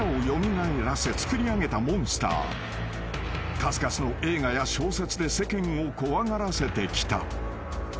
［数々の映画や小説で世間を怖がらせてきた］